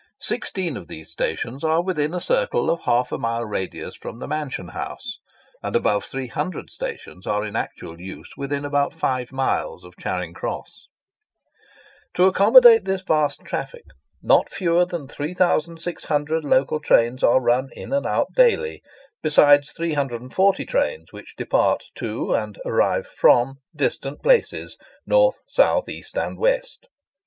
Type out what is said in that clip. Sixteen of these stations are within a circle of half a mile radius from the Mansion House, and above three hundred stations are in actual use within about five miles of Charing Cross. To accommodate this vast traffic, not fewer than 3600 local trains are run in and out daily, besides 340 trains which depart to and arrive from distant places, north, south, east, and west.